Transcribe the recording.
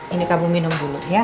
ini ke abu minum dulu ya